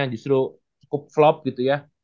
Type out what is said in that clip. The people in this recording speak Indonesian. justru cukup flop gitu ya